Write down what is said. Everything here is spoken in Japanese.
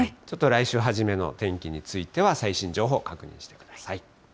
ちょっと来週初めの天気予報については、最新情報を確認してください。